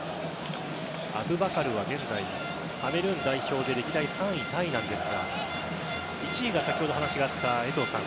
アブバカルは現在カメルーン代表で歴代３位タイなんですが１位がさっきお話があったエトーさん。